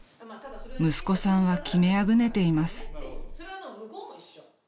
［息子さんは決めあぐねています］